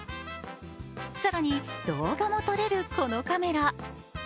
更に、動画も撮れるこのカメラ。